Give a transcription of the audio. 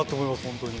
本当に。